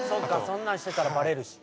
そんなんしてたらバレるし